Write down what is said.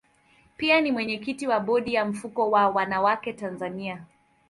Pia ni mwenyekiti wa bodi ya mfuko wa wanawake Tanzania.